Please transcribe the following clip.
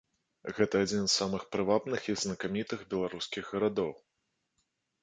Гэта адзін з самых прывабных і знакамітых беларускіх гарадоў.